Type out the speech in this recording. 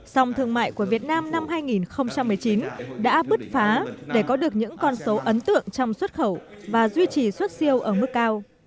song thương mại của việt nam năm hai nghìn một mươi chín đã bứt phá để có được những con số ấn tượng trong xuất khẩu và duy trì xuất siêu ở mức cao